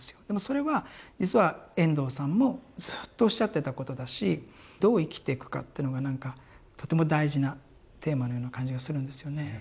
でもそれは実は遠藤さんもずっとおっしゃってたことだしどう生きてくかっていうのが何かとても大事なテーマのような感じがするんですよね。